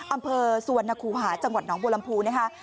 อำเภอสวนคูหาจังหวัดหนองบลำพูนะฮะ